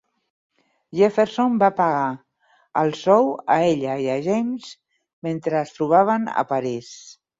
Jefferson va pagar el sou a ella i a James mentre es trobaven a París.